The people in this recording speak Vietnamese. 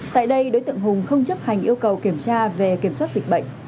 tại đây đối tượng hùng không chấp hành yêu cầu kiểm tra về kiểm soát dịch bệnh